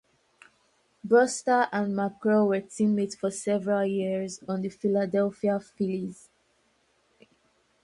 Brusstar and McGraw were teammates for several years on the Philadelphia Phillies.